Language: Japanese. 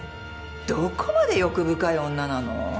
どこまで欲深い女なの？